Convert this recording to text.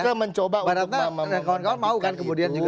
kita mencoba untuk memperbaikkan itu